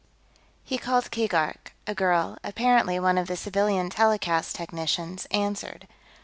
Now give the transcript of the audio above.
He called Keegark; a girl, apparently one of the civilian telecast technicians, answered.